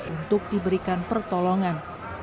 untuk diberikan pertolongan